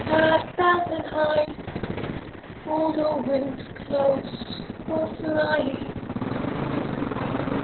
Pad belt and hide! Hold all wings close for flying!